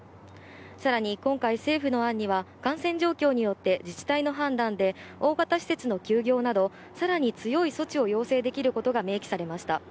さらに今回、政府の案には感染状況によって自治体の判断で大型施設の休業などさらに強い措置を要請できることが明記されました。